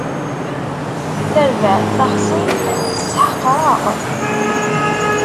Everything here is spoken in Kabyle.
Tarbaɛt taxṣimt tesseḥqer-aɣ.